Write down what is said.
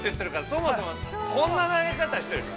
そもそもこんな投げ方していると。